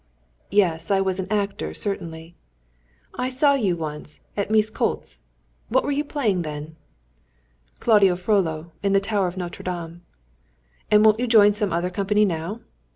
"Yes, I was an actor, certainly." "I saw you once at Miskolcz. What were you playing then?" "Claude Frolló in the Tower of Notre Dame." "And won't you join some other company now?"